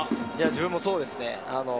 自分もそうですね。